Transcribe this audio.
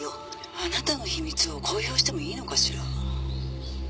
「あなたの秘密を公表してもいいのかしら？」